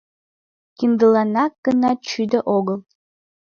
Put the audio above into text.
Киндыланак гына чӱдӧ огыл.